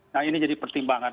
nah ini jadi pertimbangan